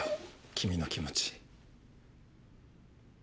君の気持ち。